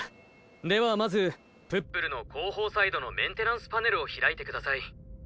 ではまずプップルのこうほうサイドのメンテナンスパネルをひらいてください。